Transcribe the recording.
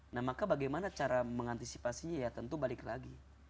nah maka bagaimana cara mengantisipasinya ya tentu balik lagi